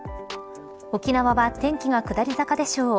沖縄は天気が下り坂でしょう。